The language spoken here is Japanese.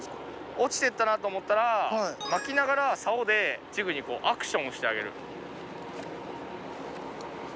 落ちてったなと思ったら巻きながらサオでジグにアクションをしてあげる。